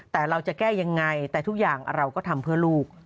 แต่เราจะแก้ยังไงแต่ทุกอย่างเราก็ทำเพื่อลูก